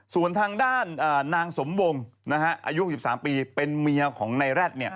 ส่วนทางด้านนางสมวงอายุ๖๓ปีเป็นเมียของนายแร็ด